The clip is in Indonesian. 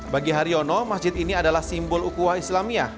bagi haryono masjid ini adalah simbol ukuah islamia